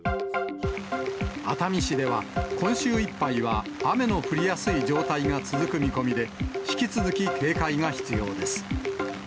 熱海市では、今週いっぱいは雨の降りやすい状態が続く見込みで、引き続き警戒が必要です。